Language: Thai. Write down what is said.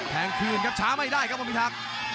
คืนครับช้าไม่ได้ครับคุณพิทักษ์